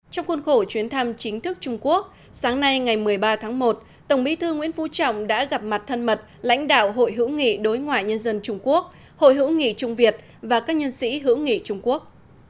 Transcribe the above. trong khuôn khổ chuyến thăm chính thức trung quốc sáng nay ngày một mươi ba tháng một tổng bí thư nguyễn phú trọng đã gặp mặt thân mật lãnh đạo hội hữu nghị đối ngoại nhân dân trung quốc hội hữu nghị trung việt và các nhân sĩ hữu nghị trung quốc